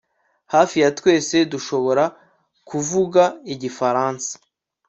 Hafi ya twese dushobora kuvuga igifaransa